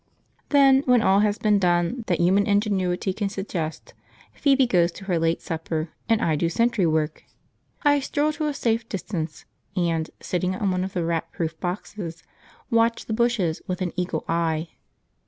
Then, when all has been done that human ingenuity can suggest, Phoebe goes to her late supper and I do sentry work. I stroll to a safe distance, and, sitting on one of the rat proof boxes, watch the bushes with an eagle eye.